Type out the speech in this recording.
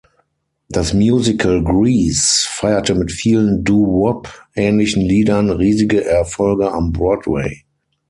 Das Musical "Grease" feierte mit vielen Doo-Wop-ähnlichen Liedern riesige Erfolge am Broadway.